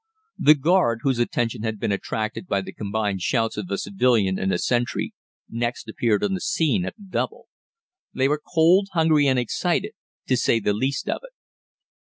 The guard, whose attention had been attracted by the combined shouts of the civilian and the sentry, next appeared on the scene at the double. They were cold, hungry, and excited, to say the least of it.